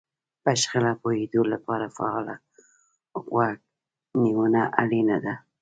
په شخړه پوهېدو لپاره فعاله غوږ نيونه اړينه ده.